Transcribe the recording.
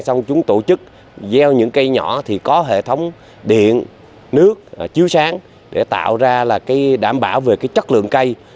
xong chúng tổ chức gieo những cây nhỏ có hệ thống điện nước chiếu sáng để tạo ra đảm bảo về chất lượng cây